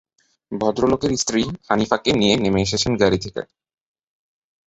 ভদ্রলোকের স্ত্রী হানিফাকে নিয়ে নেমে এসেছেন গাড়ি থেকে।